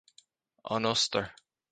An Ostair